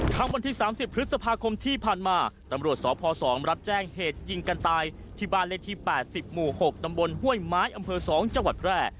ข้างบนที่สามสิบพฤษภาคมที่ผ่านมาตำรวจสอบพ่อสองรับแจ้งเหตุยิงกันตายที่บ้านเลขที่แปดสิบหมู่หกตำบนห้วยไม้อำเภอสองจังหวัดแร่